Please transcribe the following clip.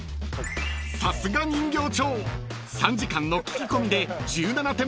［さすが人形町！］